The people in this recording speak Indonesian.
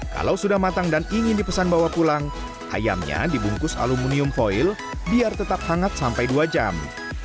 kalau sudah matang dan ingin dipesan bawa pulang ayamnya dibungkus aluminium foil biar tetap hangat sampai dua jam